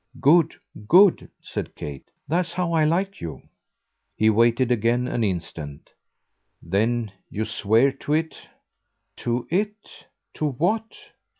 "Good, good," said Kate. "That's how I like you." He waited again an instant. "Then you swear to it?" "To 'it'? To what?"